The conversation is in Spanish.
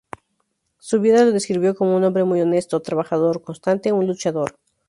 Su viuda lo describió como un hombre "muy honesto, trabajador constante, un luchador.